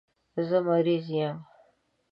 زه مریض یم